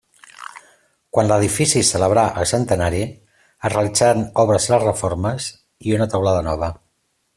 Quan l'edifici celebrà el centenari, es realitzaren obres de reforma i una teulada nova.